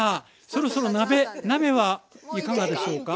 そろそろ鍋鍋はいかがでしょうか？